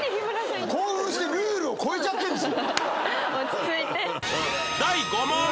興奮してルールを超えちゃってるんですよ。